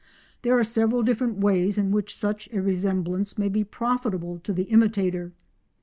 There are several different ways in which such a resemblance may be profitable to the imitator.